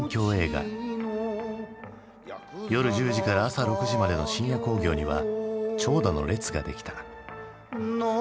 夜１０時から朝６時までの深夜興行には長蛇の列ができた。